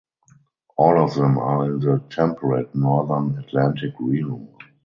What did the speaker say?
All of them are in the Temperate Northern Atlantic realm.